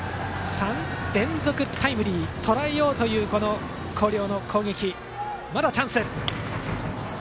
３連続タイムリーでとらえようという広陵の攻撃まだチャンス。